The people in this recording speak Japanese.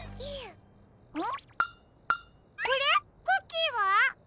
クッキーは？